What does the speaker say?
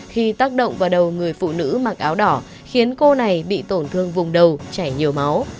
khi tác động vào đầu người phụ nữ mặc áo đỏ khiến cô này bị tổn thương vùng đầu chảy nhiều máu